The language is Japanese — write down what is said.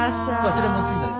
忘れ物すんなよ。